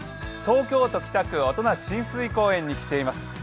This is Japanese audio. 東京都北区、音無親水公園に来ています。